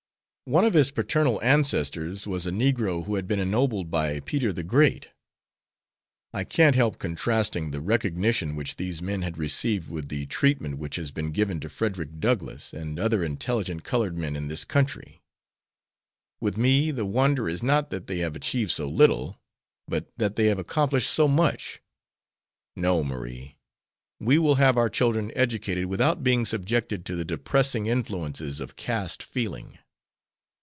One of his paternal ancestors was a negro who had been ennobled by Peter the Great. I can't help contrasting the recognition which these men had received with the treatment which has been given to Frederick Douglass and other intelligent colored men in this country. With me the wonder is not that they have achieved so little, but that they have accomplished so much. No, Marie, we will have our children educated without being subjected to the depressing influences of caste feeling.